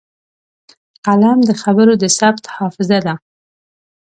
قلم د خبرو د ثبت حافظه ده